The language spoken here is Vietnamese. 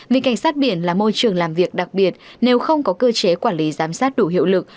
vì cảnh sát biển là môi trường làm việc đặc biệt nếu không có cơ chế quản lý giám sát đủ hiệu lực